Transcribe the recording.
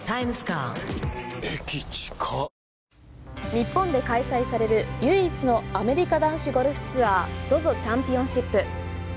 日本で開催される唯一のアメリカ男子ゴルフツアーＺＯＺＯチャンピオンシップ。